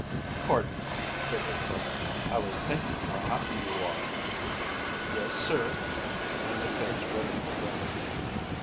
"Pardon," said Ichabod. "I was thinking how happy you are." "Yes, sir." And the face reddened again.